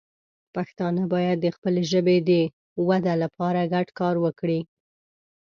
پښتانه باید د خپلې ژبې د وده لپاره ګډ کار وکړي.